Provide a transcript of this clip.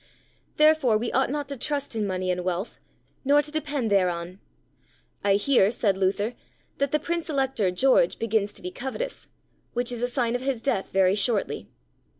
Therefore we ought not to trust in money and wealth, nor to depend thereon. I hear, said Luther, that the Prince Elector, George, begins to be covetous, which is a sign of his death very shortly.